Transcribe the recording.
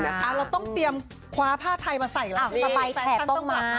คืออะเราก็ต้องเตรียมคว้าผ้าไทยมาใส่ละ